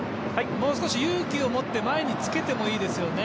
もう少し勇気を持って前につけてもいいですよね。